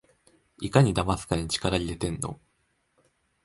いかにだますかに力いれてんの？